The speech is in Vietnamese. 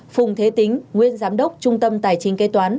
phùng thế tính nguyên giám đốc trung tâm tài chính kế toán